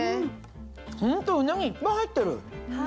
ホントうなぎいっぱい入ってる。